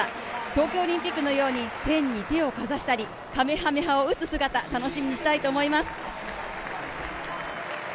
東京オリンピックのように天に手をかざしたりカメハメ波を撃つ姿楽しみにしたいと思います。